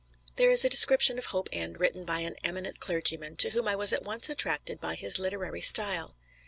There is a description of Hope End written by an eminent clergyman, to whom I was at once attracted by his literary style.